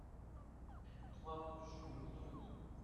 trois rue Jules Mondoloni